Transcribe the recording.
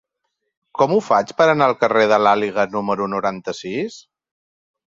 Com ho faig per anar al carrer de l'Àliga número noranta-sis?